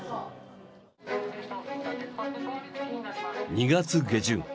２月下旬